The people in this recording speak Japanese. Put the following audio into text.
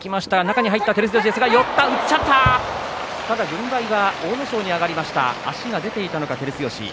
軍配は阿武咲に上がりました、足が出ていたのか照強。